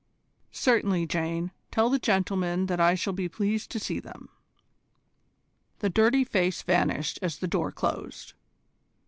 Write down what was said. "Certainly, Jane. Tell the gentlemen that I shall be pleased to see them." The dirty face vanished as the door closed.